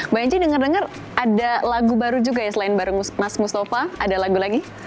mbak enci dengar dengar ada lagu baru juga ya selain bareng mas mustafa ada lagu lagi